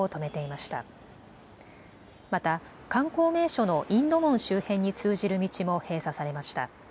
また観光名所のインド門周辺に通じる道も閉鎖されました。